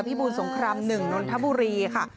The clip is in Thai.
พี่บูนสงครามหนึ่งนนทบุรีค่ะ